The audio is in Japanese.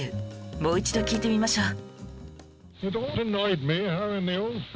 もう一度聞いてみましょう